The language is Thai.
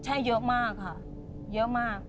ใช่เยอะมากค่ะเยอะมาก